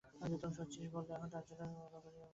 শচীশ বলিল, এখনো তার জন্য ভালো করিয়া তৈরি হইতে পারি নাই।